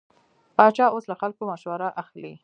پاچا اوس له خلکو مشوره اخلي.